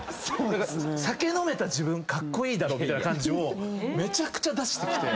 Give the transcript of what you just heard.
何か酒飲めた自分カッコイイだろみたいな感じをめちゃくちゃ出してきて。